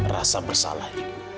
rasa bersalah ibu